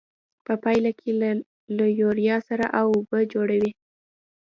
په پایله کې له یوریا سره او اوبه جوړیږي.